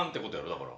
だから。